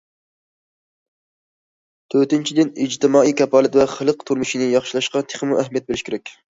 تۆتىنچىدىن،‹‹ ئىجتىمائىي كاپالەت ۋە خەلق تۇرمۇشىنى ياخشىلاشقا تېخىمۇ ئەھمىيەت بېرىش كېرەك››.